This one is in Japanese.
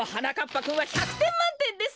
ぱくんは１００てんまんてんです。